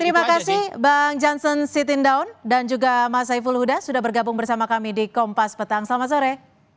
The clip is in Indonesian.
terima kasih bang jansen sitindaun dan juga mas saiful huda sudah bergabung bersama kami di kompas petang selamat sore